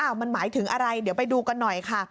มันหมายถึงอะไรเดี๋ยวไปดูกันหน่อยค่ะ